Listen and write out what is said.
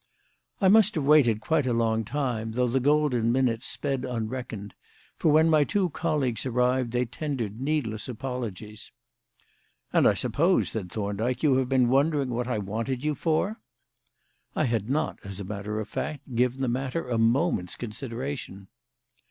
I must have waited quite a long time, though the golden minutes sped unreckoned, for when my two colleagues arrived they tendered needless apologies. "And I suppose," said Thorndyke, "you have been wondering what I wanted you for." I had not, as a matter of fact, given the matter a moment's consideration.